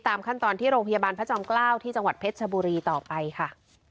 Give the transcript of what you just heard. ตามขั้นตอนที่โรงพยาบาลพระจอมเกล้าที่จังหวัดเพชรชบุรีต่อไปค่ะ